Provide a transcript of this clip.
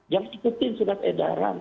yang ikutin surat edaran